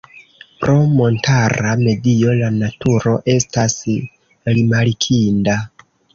Pro montara medio la naturo estas rimarkinda.